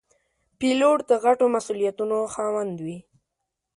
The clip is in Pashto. پیلوټ د غټو مسوولیتونو خاوند وي.